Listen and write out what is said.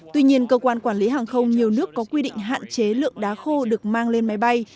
tuy nhiên cơ quan quản lý hàng không nhiều nước có quy định hạn chế lượng đá khô được mang lên máy bay